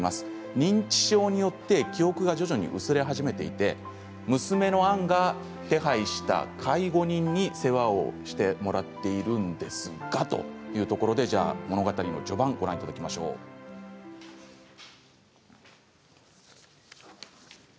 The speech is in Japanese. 認知症によって記憶が薄れ始めていて娘のアンが手配した介護人に世話をしてもらっていたんですがどんな内容なのか物語の序盤をご覧ください。